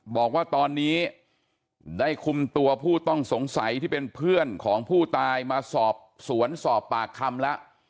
บอกว่าตอนนี้ได้คุมตัวผู้ต้องสงสัยที่เป็นเพื่อนของผู้ตายมาสอบสวนสอบปากคำแล้ว